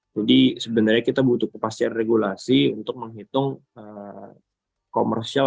jadi sebenarnya kita butuh kepastian regulasi untuk menghitung komersial